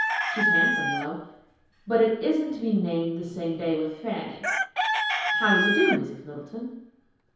She's handsome, though, but it isn't to be named the same day with Fanny,"—"How do you do, Miss Middleton?"